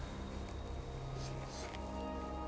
すいません。